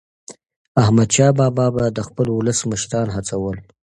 احمدشاه بابا به د خپل ولس مشران هڅول.